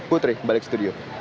putri kembali ke studio